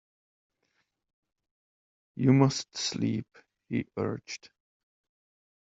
You must sleep, he urged.